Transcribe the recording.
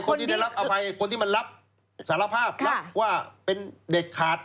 คนที่ได้รับอภัยคนที่มันรับสารภาพรับว่าเป็นเด็ดขาด